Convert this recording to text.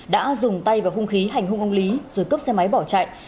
đã dùng tay vào hung khí hành hung ông lý rồi cướp xe máy bỏ chạy